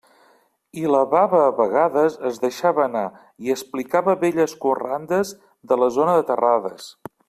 I la baba, a vegades, es deixava anar i explicava velles corrandes de la zona de Terrades.